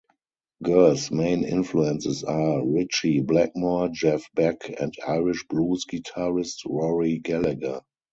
Gers' main influences are Ritchie Blackmore, Jeff Beck and Irish blues guitarist Rory Gallagher.